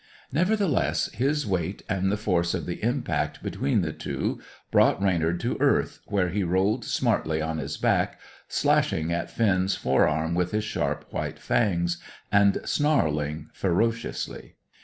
Nevertheless, his weight and the force of the impact between the two, brought Reynard to earth, where he rolled smartly on his back, slashing at Finn's fore arm with his sharp white fangs, and snarling ferociously.